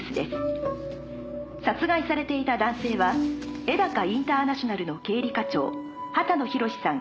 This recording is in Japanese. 「殺害されていた男性は絵高インターナショナルの経理課長畑野宏さん